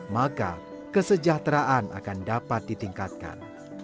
maka kesejahteraan akan dapat ditingkatkan